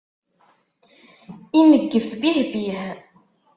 Ineggef bih-bih.